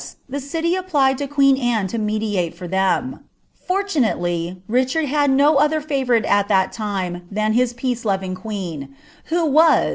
Ihe city afipM b> queen Anne lo mediate for them. Fortunately. Ricband had tiit «ke bvourite at tlial lime than his peace loving queen, " who was."